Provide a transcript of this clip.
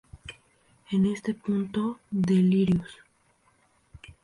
En este punto Delirious?